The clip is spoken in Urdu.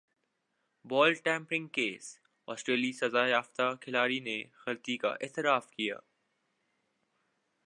بال ٹمپرنگ کیس سٹریلوی سزا یافتہ کھلاڑیوں نےغلطی کا اعتراف کر لیا